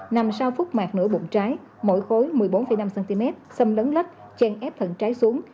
nằm sau phút mạc nửa bụng trái mỗi khối một mươi bốn năm cm xâm lấn lách chèn ép thận trái xuống